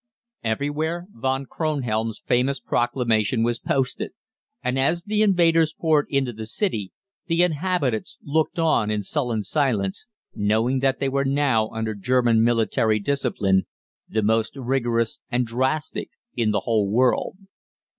Everywhere Von Kronhelm's famous proclamation was posted, and as the invaders poured into the city the inhabitants looked on in sullen silence, knowing that they were now under German military discipline, the most rigorous and drastic in the whole world.